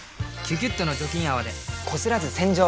「キュキュット」の除菌泡でこすらず洗浄！